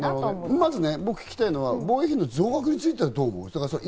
まず僕は聞きたいのは、防衛費増額についてはどう思う？